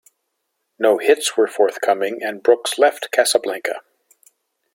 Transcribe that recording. No hits were forthcoming and Brooks left Casablanca.